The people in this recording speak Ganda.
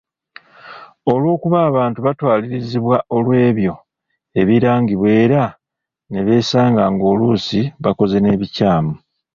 Olwokuba abantu batwalirizibwa olw'ebyo ebirangibwa era ne beesanga ng'oluusi bakoze n'ebikyamu.